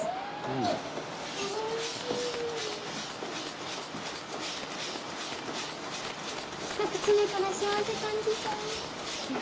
うんおいしい一口目から幸せ感じちゃう